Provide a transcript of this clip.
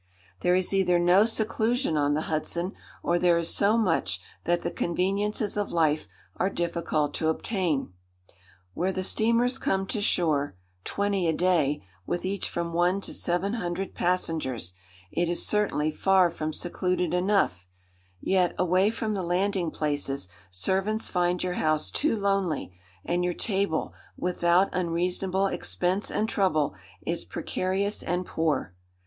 There is either no seclusion on the Hudson, or there is so much that the conveniences of life are difficult to obtain. Where the steamers come to shore, (twenty a day, with each from one to seven hundred passengers,) it is certainly far from secluded enough; yet, away from the landing places, servants find your house too lonely, and your table, without unreasonable expense and trouble, is precarious and poor.